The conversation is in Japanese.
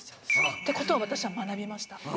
って事を私は学びました。